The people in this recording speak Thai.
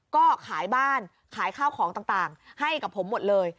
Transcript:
ก็ขายบ้านขายข้าวของต่างให้กับผมหมดเลย